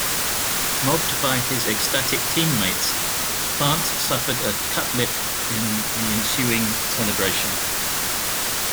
Mobbed by his ecstatic teammates, Plante suffered a cut lip in the ensuing celebration.